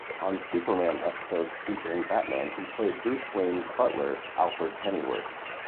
On Superman episodes featuring Batman, he played Bruce Wayne's butler, Alfred Pennyworth.